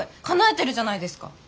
かなえてるじゃないですか。